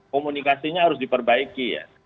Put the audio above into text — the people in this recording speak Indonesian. komunikasinya harus diperbaiki ya